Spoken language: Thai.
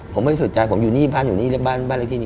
ผมไม่สนใจผมอยู่นี่บ้านอยู่นี่บ้านอะไรที่นี่